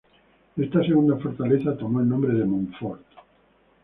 Esta segunda fortaleza tomó el nombre de Montfort.